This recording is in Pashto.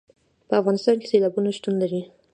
په افغانستان کې سیلابونه شتون لري.